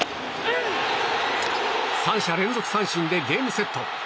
３者連続三振でゲームセット。